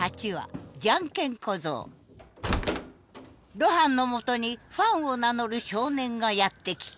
露伴のもとにファンを名乗る少年がやって来た。